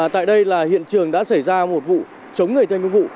tại đây là hiện trường đã xảy ra một vụ chống người thêm với vụ